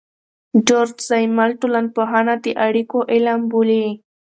جورج زیمل ټولنپوهنه د اړیکو علم بولي.